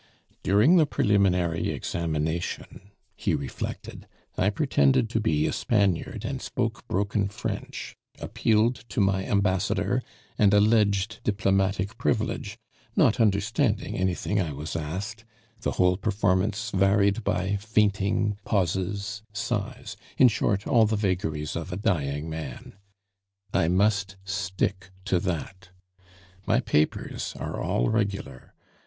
"During the preliminary examination," he reflected, "I pretended to be a Spaniard and spoke broken French, appealed to my Ambassador, and alleged diplomatic privilege, not understanding anything I was asked, the whole performance varied by fainting, pauses, sighs in short, all the vagaries of a dying man. I must stick to that. My papers are all regular.